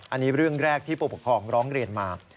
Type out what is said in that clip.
อันนี้เรื่องแรกที่ผู้ปกครองร้องเรียนมา